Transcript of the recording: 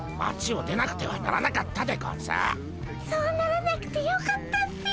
そうならなくてよかったっピ。